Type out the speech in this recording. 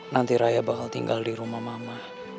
nanti raya bakal tinggal di rumah mama